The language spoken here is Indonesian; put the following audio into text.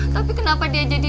tapi kenapa dia jadi